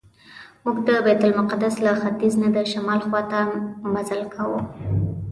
موږ د بیت المقدس له ختیځ نه د شمال خواته مزل کاوه.